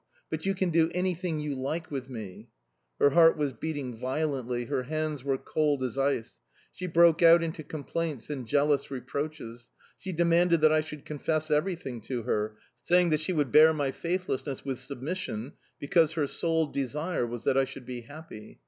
But you can do anything you like with me." Her heart was beating violently, her hands were cold as ice. She broke out into complaints and jealous reproaches. She demanded that I should confess everything to her, saying that she would bear my faithlessness with submission, because her sole desire was that I should be happy.